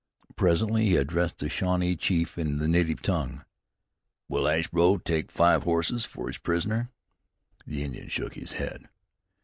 Presently he addressed the Shawnee chief in the native tongue. "Will Ashbow take five horses for his prisoner?" The Indian shook his head.